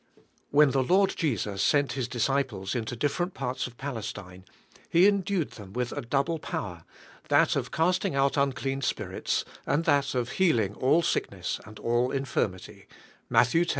WHEN the Lurd Jesus sent His dis ciples into different parts of Pales tine, He endued them with a double power, that of casting out unclean spirits and that of healing all sickness and all infirmity (Matt x.